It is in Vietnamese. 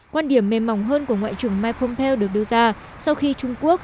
quan điểm mềm mỏng hơn của ngoại trưởng mike pompeo được đưa ra sau khi trung quốc